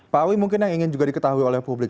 pak awi mungkin yang ingin juga diketahui oleh publik